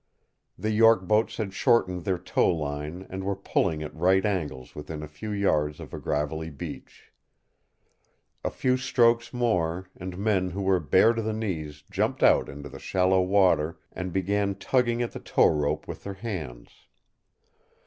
The York boats had shortened their towline and were pulling at right angles within a few yards of a gravelly beach. A few strokes more, and men who were bare to the knees jumped out into shallow water and began tugging at the tow rope with their hands.